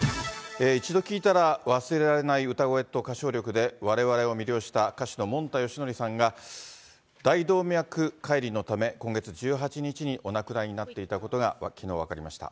一度聴いたら忘れられない歌声と歌唱力でわれわれを魅了した歌手のもんたよしのりさんが、大動脈解離のため、今月１８日にお亡くなりになっていたことがきのう、分かりました。